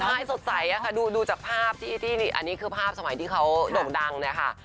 ใช่สดใสค่ะดูจากภาพที่อันนี้คือภาพสมัยที่เขาโด่งดังเนี่ยค่ะ